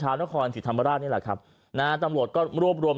ชาวนครสิทธิ์ธรรมดานี่แหละครับนะฮะตำรวจก็รวบรวม